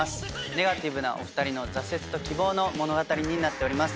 ネガティブなお２人の挫折と希望の物語になっております